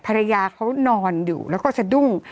ภรรยาเขานอนอยู่แล้วก็สะดุ้ง